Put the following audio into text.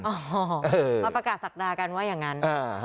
โอ้โหมาประกาศศักดากันว่าอย่างนั้น